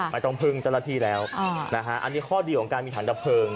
ไม่ต้องพึงตาลที่แล้วอันนี้ข้อดีของการมีถังดับเผิง